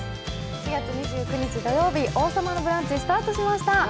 ４月２９日土曜日、「王様のブランチ」スタートしました。